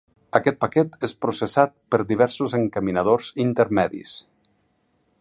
Aquest paquet és processat per diversos encaminadors intermedis.